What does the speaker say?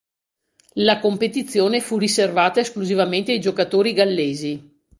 La competizione fu riservata esclusivamente ai giocatori gallesi.